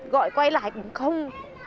gọi quay lại cũng không